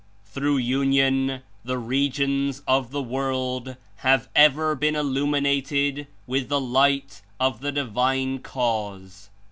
"Through union the regions of the world have 106 ever been Illuminated with the light of the (Divine) Cause.